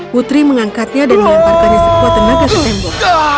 putri mengangkatnya dan melamparkannya sekuat tenaga ke tembok